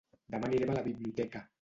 Demà anirem a la biblioteca.